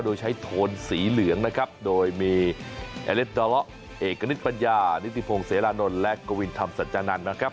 โดยใช้โทนสีเหลืองนะครับโดยมีเอเลสดอเลาะเอกณิตปัญญานิติพงศิรานนท์และกวินธรรมสัจจานันทร์นะครับ